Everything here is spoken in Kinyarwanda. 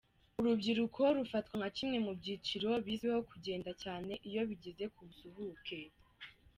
Urubyiruko rufatwa nka kimwe mu byiciro bizwiho kugenda cyane iyo bigeze ku busuhuke.